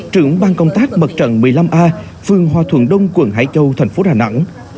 trưởng ban công tác mặt trận một mươi năm a phường hòa thuận đông quận hải châu thành phố đà nẵng